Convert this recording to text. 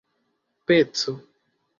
peco